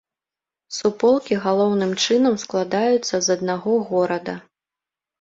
Суполкі галоўным чынам складаюцца з аднаго горада.